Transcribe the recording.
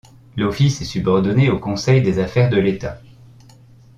L'office est subordonné au Conseil des affaires de l’État.